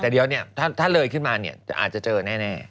แต่เดี๋ยวเนี่ยถ้าเลยขึ้นมาเนี่ยอาจจะเจอแน่